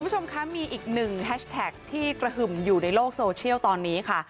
คุณผู้ชมคะมีอีกหนึ่งแฮชแท็กที่กระหึ่มอยู่ในโลกโซเชียลตอนนี้ค่ะ